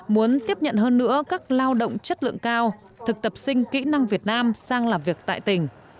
muốn tiếp nhận hơn nữa các lao động chất lượng cao thực tập sinh kỹ năng việt nam sang làm việc tại tỉnh